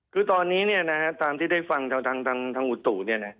คือตอนนี้ตามที่ได้ฟังทางอุตุ